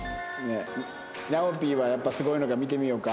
ナオピーはやっぱすごいのか見てみようか。